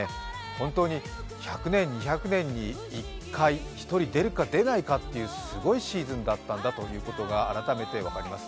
本当に１００年、２００年に１回、１人出るか出ないかのすごいシーズンだったんだということが改めて分かります。